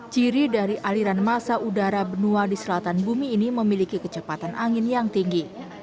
ciri dari aliran masa udara benua di selatan bumi ini memiliki kecepatan angin yang tinggi